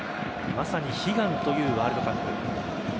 まさに悲願というワールドカップ。